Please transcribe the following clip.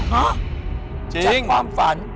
ฮะจากความฝัน